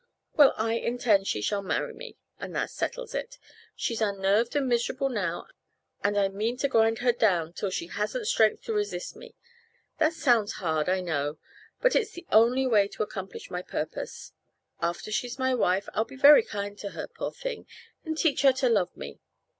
Well, I intend she shall marry me, and that settles it. She's unnerved and miserable now, and I mean to grind her down till she hasn't strength to resist me. That sounds hard. I know; but it's the only way to accomplish my purpose. After she's my wife I'll be very kind to her, poor thing, and teach her to love me.